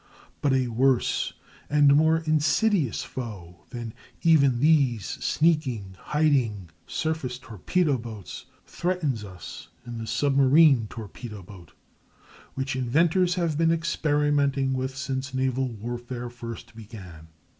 ] But a worse and more insidious foe than even these sneaking, hiding, surface torpedo boats threatens us in the submarine torpedo boat, which inventors have been experimenting with since naval warfare first began.